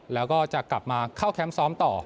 แล้วก็จะกลับมาเข้าแคมป์ซ้อมต่อ